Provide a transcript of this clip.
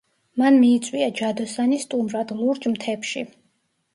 მან მიიწვია ჯადოსანი სტუმრად, ლურჯ მთებში.